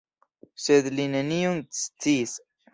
Sed li nenion sciis.